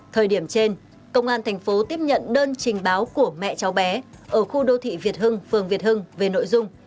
thời điểm trên công an thành phố tiếp nhận đơn trình báo của mẹ cháu bé ở khu đô thị việt hưng phường việt hưng về nội dung